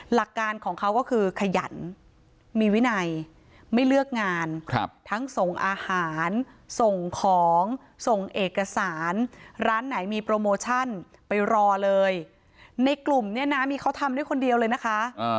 หลักการของเขาก็คือขยันมีวินัยไม่เลือกงานทั้งส่งอาหารส่งของส่งเอกสารร้านไหนมีโปรโมชั่นไปรอเลยในกลุ่มเนี่ยนะมีเขาทำด้วยคนเดียวเลยนะคะ